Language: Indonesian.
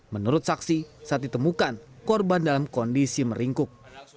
menurut saksi saat ditemukan korban dalam kondisi meringkuk